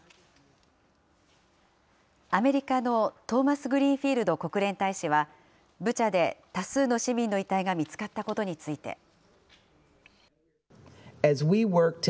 アメリカのトーマスグリーンフィールド国連大使は、ブチャで多数の市民の遺体が見つかったことについて。